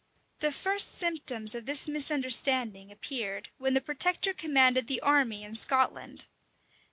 The first symptoms of this misunderstanding appeared when the protector commanded the army in Scotland.